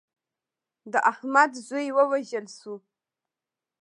د احمد زوی ووژل شو.